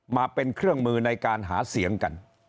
มาเป็นเครื่องมือในการหาเสียงกัน